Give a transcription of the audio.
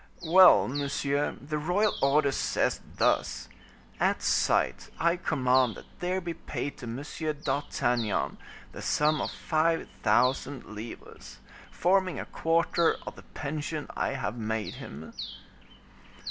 "Well, monsieur, the royal order says thus:—'At sight, I command that there be paid to M. d'Artagnan the sum of five thousand livres, forming a quarter of the pension I have made him.